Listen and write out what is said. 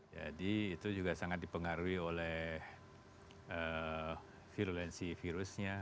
jadi itu juga sangat dipengaruhi oleh virulensi virusnya